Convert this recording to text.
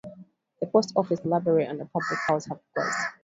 The post office, the library and a public house have closed.